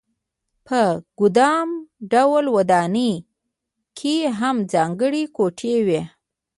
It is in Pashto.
په ګدام ډوله ودانۍ کې هم ځانګړې کوټې وې.